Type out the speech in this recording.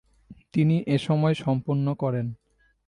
তিনি এসময় সম্পন্ন করেন।